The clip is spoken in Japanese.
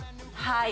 はい。